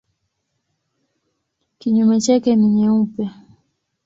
Kinyume chake ni nyeupe.